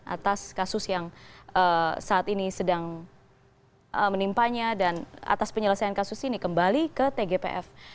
atas kasus yang saat ini sedang menimpanya dan atas penyelesaian kasus ini kembali ke tgpf